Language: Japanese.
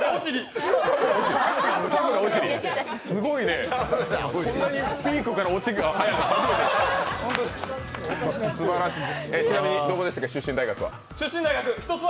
すごいね、こんなにピーコから落ちが早いのは。